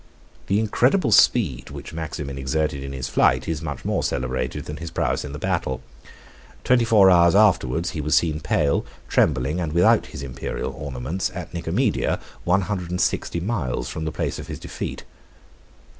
The incredible speed which Maximin exerted in his flight is much more celebrated than his prowess in the battle. Twenty four hours afterwards he was seen, pale, trembling, and without his Imperial ornaments, at Nicomedia, one hundred and sixty miles from the place of his defeat.